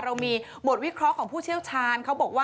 เรามีบทวิเคราะห์ของผู้เชี่ยวชาญ